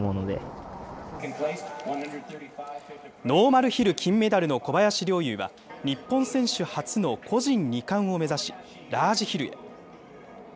ノーマルヒル金メダルの小林陵侑は、日本選手初の個人２冠を目指し、ラージヒルへ。